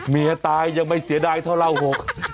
เมียตายยังไม่เสียดายเท่าเราหก